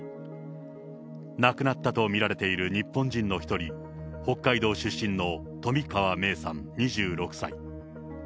亡くなったと見られている日本人の一人、北海道出身の冨川芽生さん２６歳。